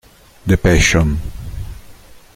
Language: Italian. The Passion